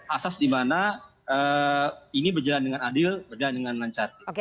asas dimana ini berjalan dengan adil berjalan dengan lancar